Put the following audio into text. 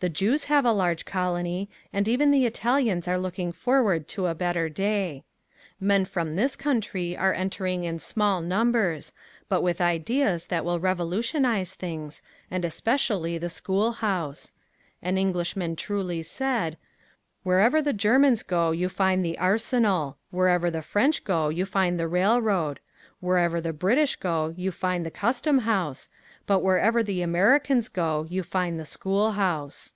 The Jews have a large colony and even the Italians are looking forward to a better day. Men from this country are entering in small numbers but with ideas that will revolutionize things, and especially the school house. An Englishman truly said: "Wherever the Germans go you find the arsenal; wherever the French go you find the railroad; wherever the British go you find the custom house, but wherever the Americans go you find the school house."